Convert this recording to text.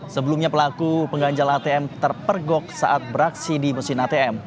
sebelumnya pelaku pengganjal atm terpergok saat beraksi di mesin atm